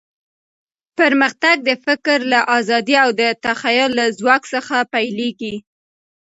پرمختګ د فکر له ازادۍ او د تخیل له ځواک څخه پیلېږي.